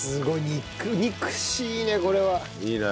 肉々しいねこれは。いいね。